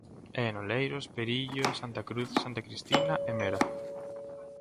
E en Oleiros, Perillo, Santa Cruz, Santa Cristina e Mera.